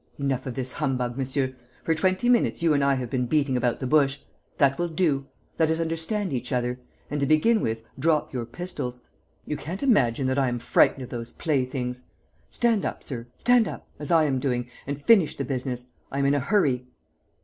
"Enough of this humbug, monsieur! For twenty minutes, you and I have been beating about the bush. That will do. Let us understand each other. And, to begin with, drop your pistols. You can't imagine that I am frightened of those playthings! Stand up, sir, stand up, as I am doing, and finish the business: I am in a hurry."